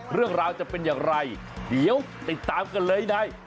เรื่องราวจะเป็นอย่างไรเดี๋ยวติดตามกันเลยใน